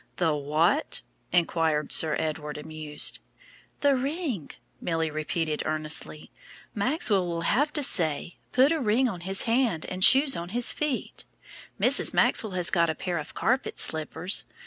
"The what?" inquired Sir Edward, amused. "The ring," Milly repeated earnestly. "Maxwell will have to say, 'Put a ring on his hand, and shoes on his feet.' Mrs. Maxwell has got a pair of carpet slippers.